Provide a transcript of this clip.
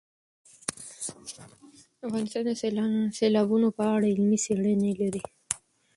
افغانستان د سیلابونه په اړه علمي څېړنې لري.